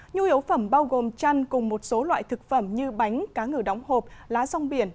nhu yếu phẩm bao gồm chăn cùng một số loại thực phẩm như bánh cá ngừ đóng hộp lá rong biển